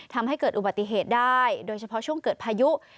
ทำให้เกิดอุบัติเหตุได้โดยเฉพาะช่วงเกิดพายุ